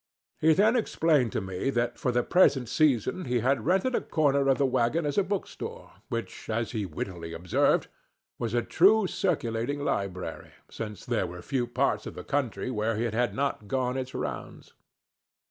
He then explained to me that for the present season he had rented a corner of the wagon as a book store, which, as he wittily observed, was a true circulating library, since there were few parts of the country where it had not gone its rounds.